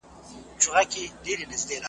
چي د دې به څه حکمت، څه فلسفه وي .